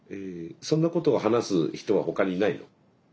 そんなことを話す人は他にいないの？